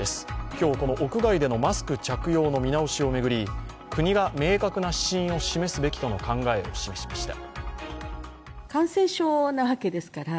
今日、この屋外でのマスク着用の見直しを巡り、国が明確な指針を示すべきとの考えを示しました。